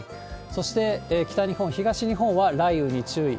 そして北日本、東日本は、雷雨に注意。